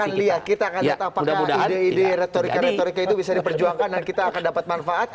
kita akan lihat kita akan lihat apakah ide ide retorika retorika itu bisa diperjuangkan dan kita akan dapat manfaat